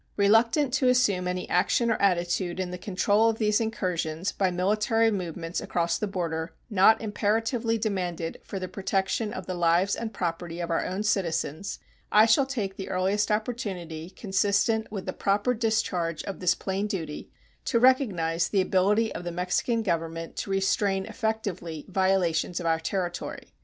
Reluctant to assume any action or attitude in the control of these incursions by military movements across the border not imperatively demanded for the protection of the lives and property of our own citizens, I shall take the earliest opportunity consistent with the proper discharge of this plain duty to recognize the ability of the Mexican Government to restrain effectively violations of our territory.